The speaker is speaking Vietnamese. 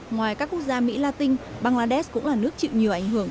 ngoài các quốc gia mỹ latin bangladesh cũng là nước chịu nhiều ảnh hưởng